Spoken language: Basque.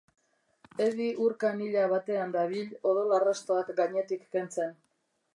Edy ur-kanila batean dabil odol arrastoak gainetik kentzen.